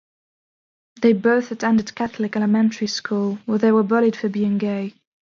They both attended Catholic elementary school where they were bullied for being gay.